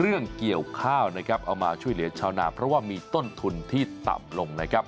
เอามาช่วยเหลือชาวหน้าเพราะว่ามีต้นทุนที่ต่ำลงนะครับ